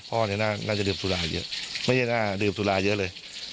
พ่อเนี่ยน่าจะดื่มสุราเยอะไม่ใช่หน้าดื่มสุราเยอะเลย